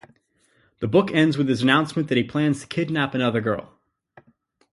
The book ends with his announcement that he plans to kidnap another girl.